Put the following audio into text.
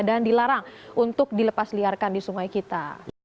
dan dilarang untuk dilepas liarkan di sungai kita